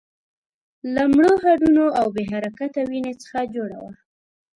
له مړو هډونو او بې حرکته وينې څخه جوړه وه.